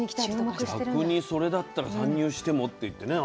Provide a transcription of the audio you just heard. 逆にそれだったら参入してもっていってね